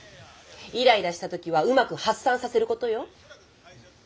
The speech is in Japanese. イライラしたときはうまく発散させることよ。